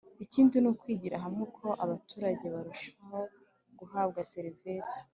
Ikindi ni ukwigira hamwe uko abaturage barushaho guhabwa serivisi